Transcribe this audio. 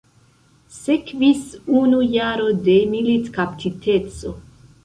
Sekvis unu jaro de militkaptiteco.